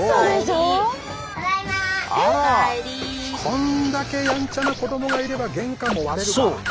こんだけやんちゃな子供がいれば玄関も割れるか！